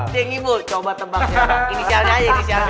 tinggi bu coba tebak siapa